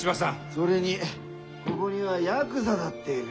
それにここにはヤクザだっている。